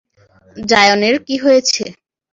জায়নের কী হয়েছে?